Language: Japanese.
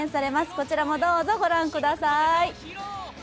こちらもどうぞご覧ください。